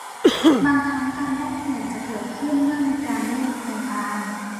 บางครั้งการแลกเปลี่ยนจะเกิดขึ้นเมื่อมีการเร่งโครงการ